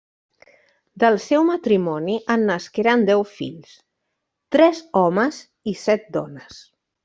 Del seu matrimoni en nasqueren deu fills, tres homes i set dones.